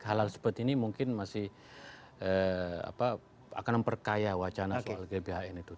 hal hal seperti ini mungkin masih akan memperkaya wacana soal gbhn itu